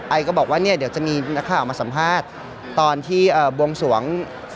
ก็บอกว่าเนี่ยเดี๋ยวจะมีนักข่าวมาสัมภาษณ์ตอนที่บวงสวง